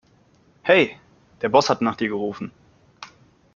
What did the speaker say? Hey, der Boss hat nach dir gerufen.